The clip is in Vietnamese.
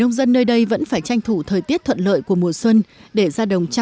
ngàn hoa thơm khoe sắc